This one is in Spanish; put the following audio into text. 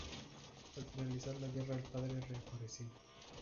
Al finalizar la guerra, el padre reapareció.